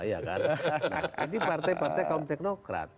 ini partai partai kaum teknokrat